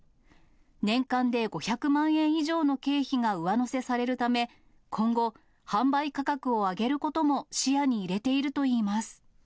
年間で５００万円以上の経費が上乗せされるため、今後、販売価格を上げることも視野に入れているといいます。